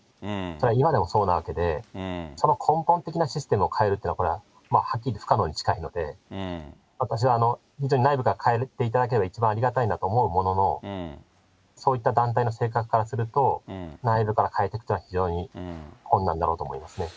それは今でもそうなわけで、その根本的なシステムを変えるっていうのは、これははっきり言って不可能に近いので、私は非常に内部から変えていただけたら、一番ありがたいなと思うものの、そういった団体の性格からすると、内部から変えてくっていうのは、非常に困難だろうと思いますね。